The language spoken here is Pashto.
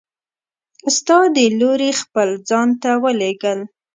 ستا د لورې خپل ځان ته ولیږل!